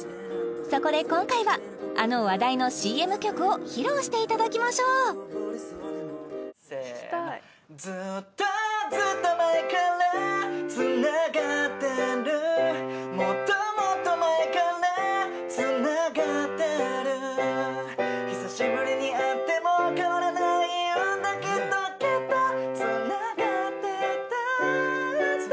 そこで今回はあの話題のＣＭ曲を披露していただきましょうせーのずっとずっと前からつながってるもっともっと前からつながってる久しぶりに会ってもかわらないんだきっときっとつながってたんだ